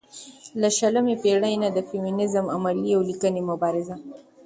له شلمې پېړۍ نه د فيمينزم عملي او ليکنۍ مبارزه